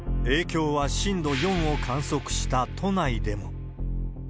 影響は震度４を観測した都内でも。